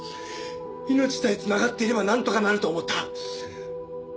命さえつながっていればなんとかなると思った！